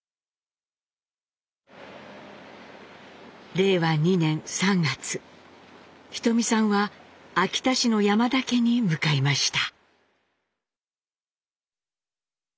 令和２年３月ひとみさんは秋田市の山田家に向かいました。